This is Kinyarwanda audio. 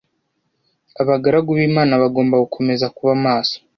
abagaragu b imana bagombaga gukomeza kuba maso